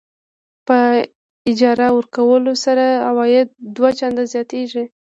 په اجاره ورکولو سره عواید دوه چنده زیاتېږي.